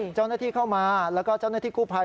เจ้าหน้าที่เข้ามาแล้วก็เจ้าหน้าที่กู้ภัย